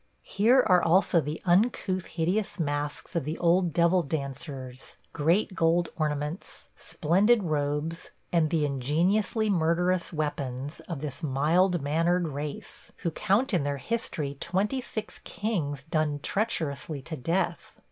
Here are also the uncouthly hideous masks of the old devil dancers; great gold ornaments, splendid robes, and the ingeniously murderous weapons of this mild mannered race, who count in their history twenty six kings done treacherously to death.